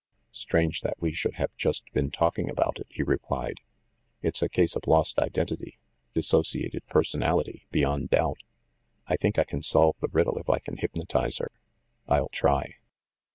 "Strange that we should have just been talking about it," he replied. "It's a case of lost identity, disassoci ated personality, beyond doubt. I think I can solve the riddle if I can hypnotize her. I'll try."